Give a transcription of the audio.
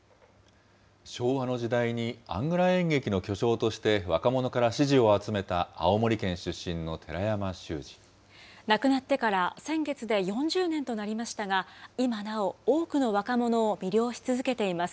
昭和の時代にアングラ演劇の巨匠として若者から支持を集めた亡くなってから先月で４０年となりましたが、今なお、多くの若者を魅了し続けています。